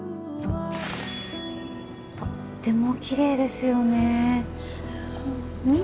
とってもきれいですよね。